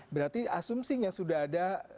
berarti asumsinya sudah ada